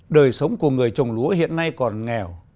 đời sống của người trồng lúa hiện nay còn nghèo